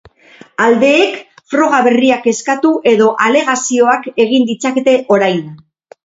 Aldeek froga berriak eskatu edo alegazioak egin ditzakete orain.